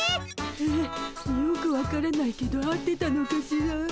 えよく分からないけど合ってたのかしら？